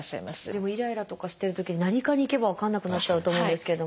でもイライラとかしてるときに何科に行けば分からなくなっちゃうと思うんですけれども。